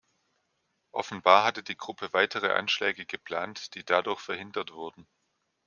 Offenbar hatte die Gruppe weitere Anschläge geplant, die dadurch verhindert wurden.